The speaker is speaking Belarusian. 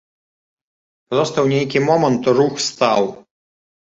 Проста ў нейкі момант рух стаў.